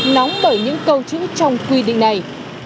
nóng bởi những câu chữ trong quy định này